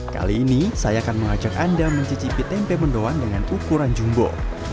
kali ini saya akan mengajak anda mencicipi tempe mendoan dengan ukuran jumbo